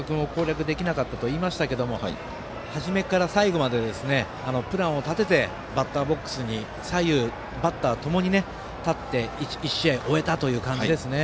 今、新岡君を攻略できなかったといいましたが始めから最後までプランを立ててバッターボックスに左右バッターともに立って１試合終えたという感じですね。